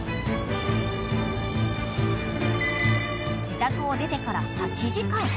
［自宅を出てから８時間］